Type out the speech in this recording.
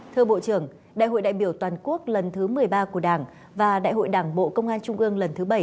thưa bộ trưởng đại hội đại biểu toàn quốc lần thứ một mươi ba của đảng và đại hội đảng bộ công an trung ương lần thứ bảy